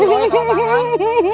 doya salah tangan